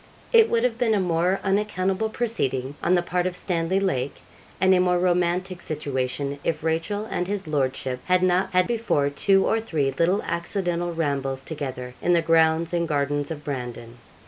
It would have been a more unaccountable proceeding on the part of Stanley Lake, and a more romantic situation, if Rachel and his lordship had not had before two or three little accidental rambles together in the grounds and gardens of Brandon.